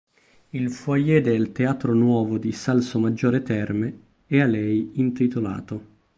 Il foyer del Teatro Nuovo di Salsomaggiore Terme è a lei intitolato.